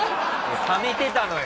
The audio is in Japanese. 溜めてたのよ。